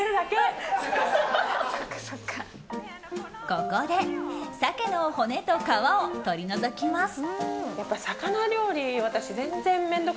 ここで鮭の骨と皮を取り除きます。